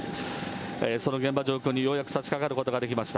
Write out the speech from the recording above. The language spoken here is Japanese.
その現場上空にようやくさしかかることができました。